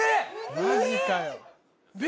マジかよ